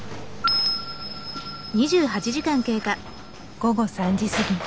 午後３時過ぎ。